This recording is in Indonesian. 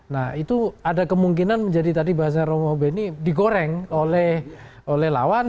nah itu ada kemungkinan menjadi tadi bahasa romo beni digoreng oleh lawan